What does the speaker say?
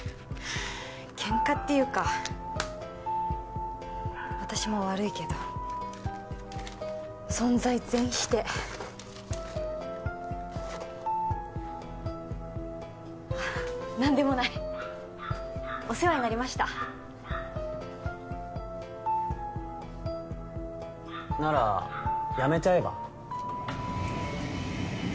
ケンカっていうか私も悪いけど存在全否定何でもないお世話になりましたならやめちゃえば？